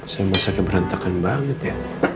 saya masaknya berantakan banget ya